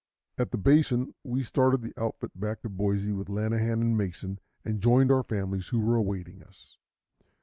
At the basin we started the outfit back to Boise with Lanahan and Mason, and joined our families, who were awaiting us.